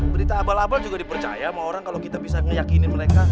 berita abal abal juga dipercaya sama orang kalau kita bisa meyakini mereka